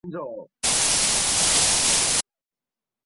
扁果润楠为樟科润楠属下的一个种。